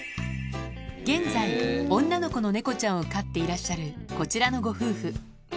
現在女の子の猫ちゃんを飼っていらっしゃるこちらのご夫婦